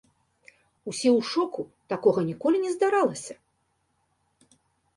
Усе ў шоку, такога ніколі не здаралася.